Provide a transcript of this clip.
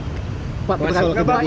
masalah politik ya pak